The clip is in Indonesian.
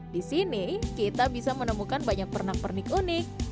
di sini kita bisa menemukan banyak pernak pernik unik